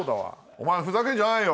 お前ふざけんじゃないよ！